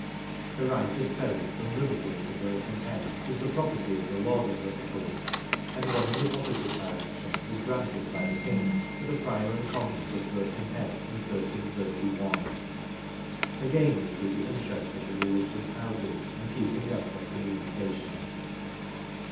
The right of ferry from Liverpool to Birkenhead was the property of the lord of Liverpool, and one in the opposite direction was granted by the King to the prior and convent of Birkenhead in 1331 again we see the interest of the religious houses in keeping up their communi cations.